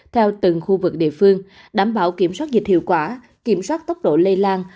theo từng khu vực địa phương đảm bảo kiểm soát dịch hiệu quả kiểm soát tốc độ lây lan